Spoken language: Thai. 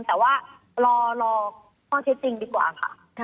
แต่ว่ารอข้อเท็จจริงดีกว่าค่ะ